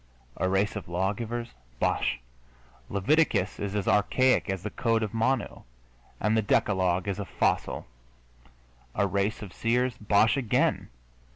A race of lawgivers? Bosh! Leviticus is as archaic as the Code of Manu, and the Decalogue is a fossil. A race of seers? Bosh again!